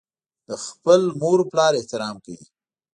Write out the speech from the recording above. د خپل مور او پلار احترام کوي.